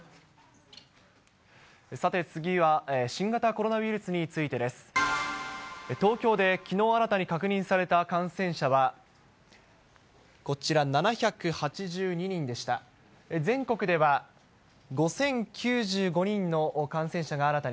さて次は、新型コロナウイルスについてです。東京できのう新たに確認された感染者は、こちら、７８２人でした。